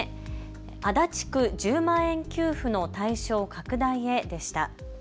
足立区１０万円給付の対象拡大へでした。